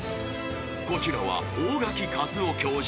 こちらは大垣賀津雄教授